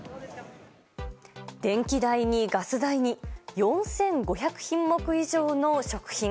電気代にガス代に４５００品目以上の食品。